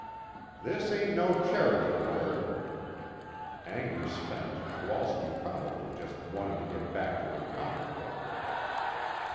"This ain't no charity ward." Anger spent, Kowalski probably just wanted to get back to her comic book.